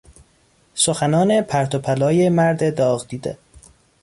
سخنان پرت و پلای مرد داغدیده